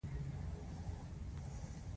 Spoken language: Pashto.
انا د کورنۍ ریښه ده